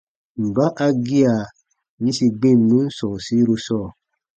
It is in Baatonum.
Mba a gia yĩsi gbinnun sɔ̃ɔsiru sɔɔ?